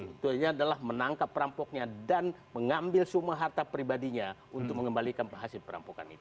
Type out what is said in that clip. tujuannya adalah menangkap perampoknya dan mengambil semua harta pribadinya untuk mengembalikan hasil perampokan itu